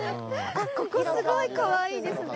あっここすごいかわいいですね。